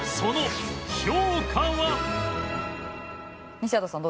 西畑さん